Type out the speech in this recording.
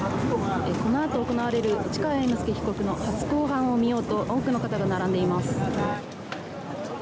このあと行われる市川猿之助被告の初公判を見ようと多くの方が並んでいます。